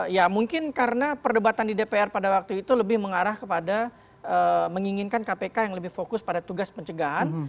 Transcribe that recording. ya mungkin karena perdebatan di dpr pada waktu itu lebih mengarah kepada menginginkan kpk yang lebih fokus pada tugas pencegahan